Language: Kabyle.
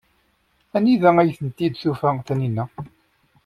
Anda ay tent-id-tufa Taninna?